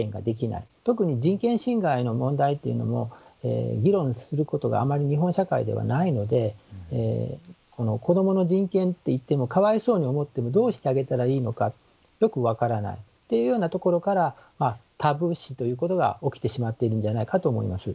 特に人権侵害の問題っていうのも議論することがあまり日本社会ではないのでこの子どもの人権っていってもかわいそうに思ってもどうしてあげたらいいのかよく分からないというようなところからタブー視ということが起きてしまっているんじゃないかと思います。